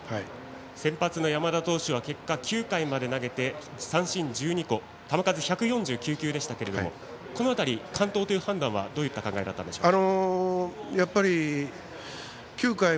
先発の山田投手は結果、９回まで投げて三振１２個球数１４９球でしたけれどもこの辺り、完投という判断はどういった考え方でしょうか。